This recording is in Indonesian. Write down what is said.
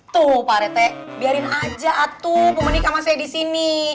tuh pak rt biarin aja atu bu menik sama saya di sini